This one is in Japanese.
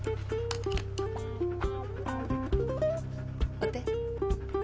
お手。